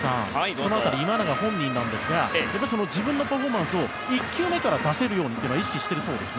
その辺り、今永本人なんですが自分のパフォーマンスを１球目から出せるよう意識しているそうです。